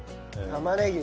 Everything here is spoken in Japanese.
玉ねぎ。